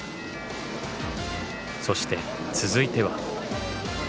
そして続いては。